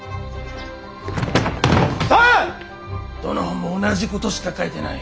くそっどの本も同じことしか書いてない。